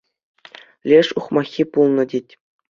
Леш ухмаххи пулнӑ, тет.